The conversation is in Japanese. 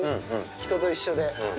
人と一緒で。